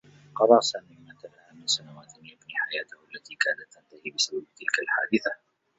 قضى سامي ما تلاها من سنوات يبني حياته التي كادت تنتهي بسبب تلك الحادثة.